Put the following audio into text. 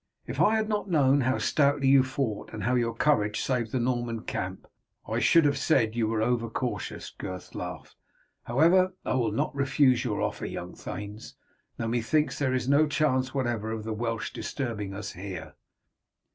"If I had not known how stoutly you fought, and how your courage saved the Norman camp, I should have said you were over cautious," Gurth laughed. "However I will not refuse your offer, young thanes, though methinks there is no chance whatever of the Welsh disturbing us here."